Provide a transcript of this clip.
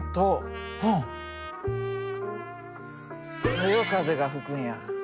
そよ風が吹くんや。